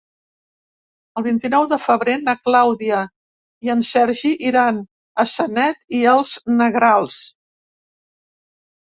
El vint-i-nou de febrer na Clàudia i en Sergi iran a Sanet i els Negrals.